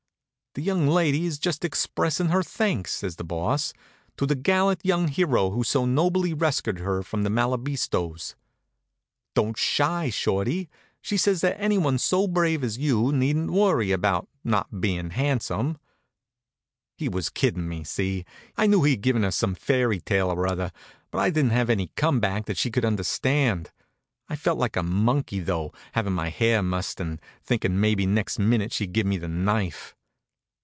"The young lady is just expressing her thanks," says the Boss, "to the gallant young hero who so nobly rescued her from the Malabistos. Don't shy, Shorty; she says that anyone so brave as you are needn't worry about not being handsome." He was kiddin' me, see? I knew he'd given her some fairy tale or other, but I didn't have any come back that she could understand. I felt like a monkey though, having my hair mussed and thinkin' maybe next minute she'd give me the knife.